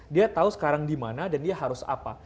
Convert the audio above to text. dia tahu sekarang di mana dan dia harus apa